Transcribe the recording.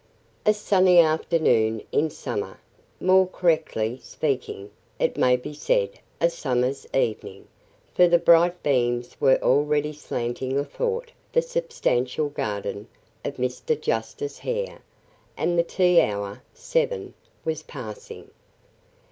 A sunny afternoon in summer. More correctly speaking, it may be said a summer's evening, for the bright beams were already slanting athwart the substantial garden of Mr. Justice Hare, and the tea hour, seven, was passing.